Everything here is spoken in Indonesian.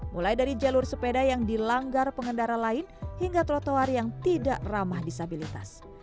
mulai dari jalur sepeda yang dilanggar pengendara lain hingga trotoar yang tidak ramah disabilitas